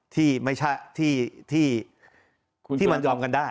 ที่มันยอมกันได้